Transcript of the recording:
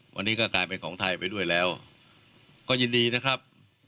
วันนี้ก็กลายเป็นของไทยไปด้วยแล้วก็ยินดีนะครับ